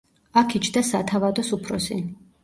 აქ იჯდა სათავადოს უფროსი.